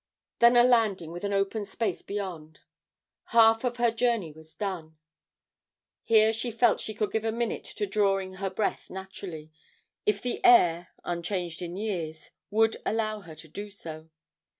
Then a landing with an open space beyond. Half of her journey was done. Here she felt she could give a minute to drawing her breath naturally, if the air, unchanged in years, would allow her to do so.